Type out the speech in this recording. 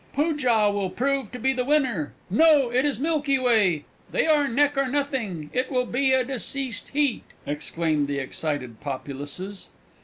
"Poojah will prove to be the winner!... No, it is Milky Way!... They are neck or nothing! It will be a deceased heat!" exclaimed the excited populaces.